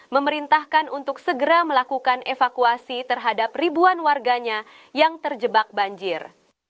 memerintahkan untuk segera melakukan evakuasi terhadap ribuan warganya yang terjebak banjir